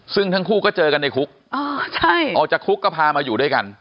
ซึ่งทั้งคู่ก็เจอกันในคุกออกจากคุกก็พามาอยู่ด้วยกัน